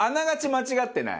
間違ってない？